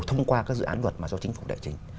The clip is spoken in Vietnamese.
thông qua các dự án luật mà do chính phủ đệ trình